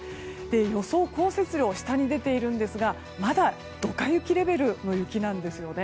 予想降雪量下に出ているんですがまだドカ雪レベルの雪なんですね。